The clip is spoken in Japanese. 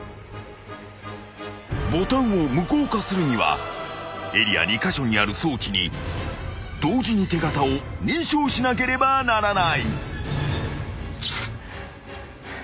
［ボタンを無効化するにはエリア２カ所にある装置に同時に手形を認証しなければならない］